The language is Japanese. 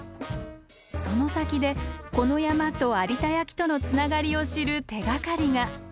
その先でこの山と有田焼とのつながりを知る手がかりが。